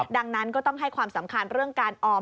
ดังนั้นก็ต้องให้ความสำคัญเรื่องการออม